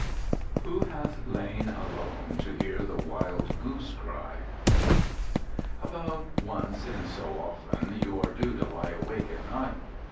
"Who hath lain alone to hear the wild goose cry?" About once in so often you are due to lie awake at night.